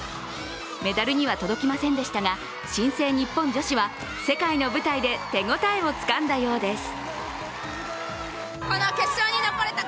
メダルには届きませんでしたが新生ニッポン女子は世界の舞台で手応えをつかんだようです。